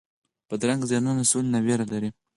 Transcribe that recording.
بدرنګه ذهنونونه سولې نه ویره لري